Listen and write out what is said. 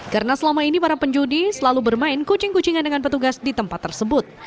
karena selama ini para penjudi selalu bermain kucing kucingan dengan petugas di tempat tersebut